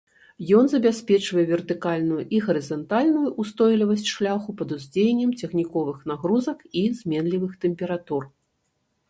Ён забяспечвае вертыкальную і гарызантальную ўстойлівасць шляху пад уздзеяннем цягніковых нагрузак і зменлівых тэмператур.